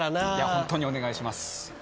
ホントにお願いします。